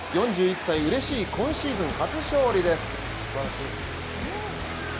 ４１歳、うれしい今シーズン初勝利です。